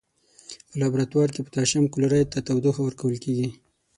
په لابراتوار کې پوتاشیم کلوریت ته تودوخه ورکول کیږي.